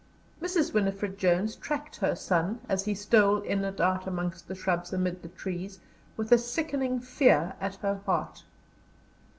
Mrs. Winifred Jones tracked her son, as he stole in and out among the shrubs, amid the trees, with a sickening fear at her heart.